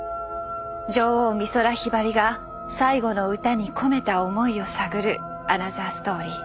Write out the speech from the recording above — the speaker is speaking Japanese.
女王美空ひばりが最後の歌に込めた思いを探るアナザーストーリー。